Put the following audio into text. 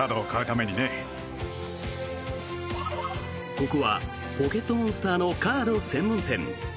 ここは「ポケットモンスター」のカード専門店。